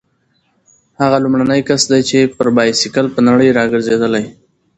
هغه لومړنی کس دی چې پر بایسکل په نړۍ راګرځېدلی.